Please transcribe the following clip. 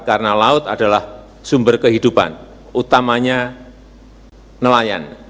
karena laut adalah sumber kehidupan utamanya nelayan